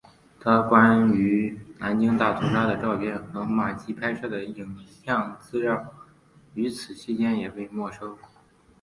他的关于南京大屠杀的照片和马吉拍摄的影像资料与此期间也被没收。